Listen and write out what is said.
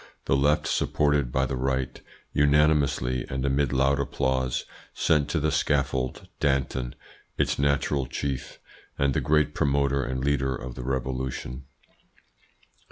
The Left, supported by the Right, unanimously and amid loud applause, sent to the scaffold Danton, its natural chief, and the great promoter and leader of the Revolution.